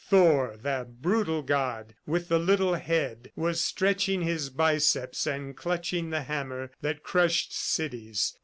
Thor, the brutal god with the little head, was stretching his biceps and clutching the hammer that crushed cities.